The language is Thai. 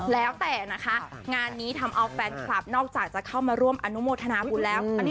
แล้วแต่นะคะงานนี้ทำเอาแฟนคลับนอกจากจะเข้ามาร่วมอนุโมทนาบุญแล้ว